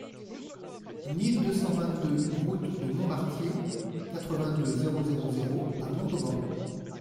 mille deux cent vingt-deux route de Montbartier, quatre-vingt-deux, zéro zéro zéro à Montauban